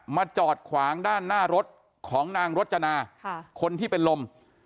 จอดขวางด้านหน้ารถของนางรจนาคนที่เป็นลม